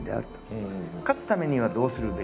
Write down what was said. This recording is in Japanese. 勝つためにはどうするべきか。